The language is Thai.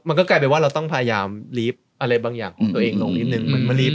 มันก็กลายเป็นว่าเราต้องพยายามรีบอะไรบางอย่างของตัวเองลงนิดนึง